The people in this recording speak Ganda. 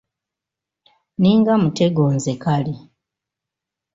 Nninga mutego nze kale.